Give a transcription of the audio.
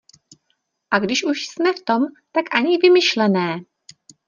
A když už jsme v tom, tak ani vymyšlené.